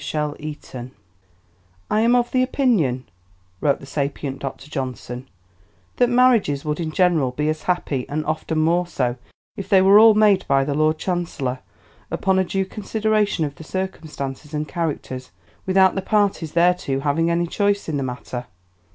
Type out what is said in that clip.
CHAPTER VI "I am of the opinion," wrote the sapient Dr. Johnson, "that marriages would in general be as happy, and often more so, if they were all made by the Lord Chancellor, upon a due consideration of the circumstances and characters, without the parties thereto having any choice in the matter."